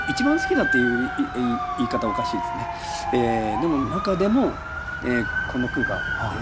でも中でもこの句が。